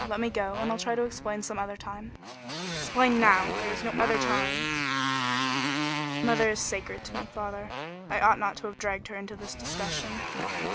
Let me go, and I'll try to explain some other time." "Explain now. There is no other time." "Mother is sacred to me, father. I ought not to have dragged her into this discussion."